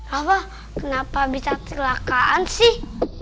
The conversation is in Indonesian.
apa kenapa bisa celakaan sih